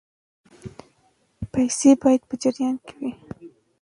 پیسې باید په جریان کې وي.